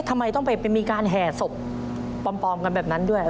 ทำไมต้องไปมีการแห่ศพปลอมกันแบบนั้นด้วย